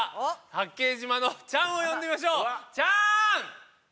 「八景島」のチャンを呼んでみましょうチャン！